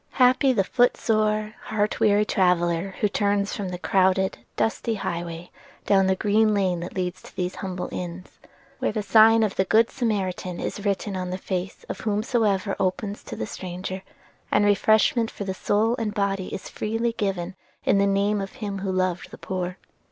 Happy the foot sore, heart weary traveller who turns from the crowded, dusty highway down the green lane that leads to these humble inns, where the sign of the Good Samaritan is written on the face of whomsoever opens to the stranger, and refreshment for soul and body is freely given in the name of Him who loved the poor.